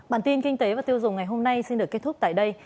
bản tin kinh tế và tiêu dùng ngày hôm nay xin được kết thúc tại đây